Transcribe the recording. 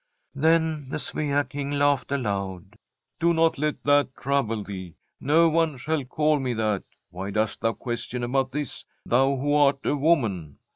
• Then the S\'ea King laughed aloud. *" I)o not let that trouble thee. No one shall call me that. WTiy dost thou question about this, thou who art a woman?